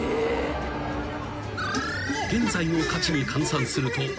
［現在の価値に換算すると］